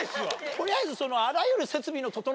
取りあえず。